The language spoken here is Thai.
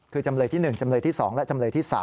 คือจำเลยที่๑จำเลยที่๒และจำเลยที่๓